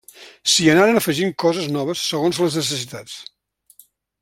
S'hi anaren afegint coses noves segons les necessitats.